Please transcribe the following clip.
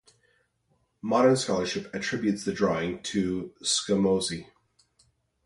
Modern scholarship attributes the drawing to Scamozzi.